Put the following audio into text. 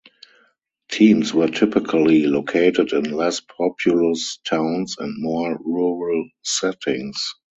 Teams were typically located in less populous towns and more rural settings.